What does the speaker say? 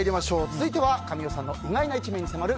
続いては神尾さんの意外な一面に迫る